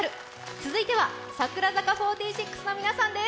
続いては櫻坂４６の皆さんです！